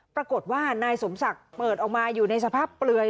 ปรากฏว่านายสมศักดิ์เปิดออกมาอยู่ในสภาพเปลือย